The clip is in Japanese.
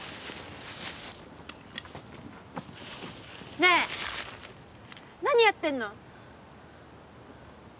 ねえ何やってんの？